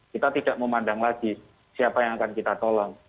kita tidak memandang lagi siapa yang akan kita tolong